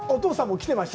きてました。